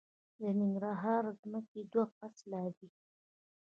د ننګرهار ځمکې دوه فصله دي